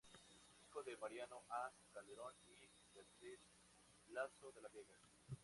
Hijo de Mariano A. Calderón y de Beatriz Lazo de la Vega.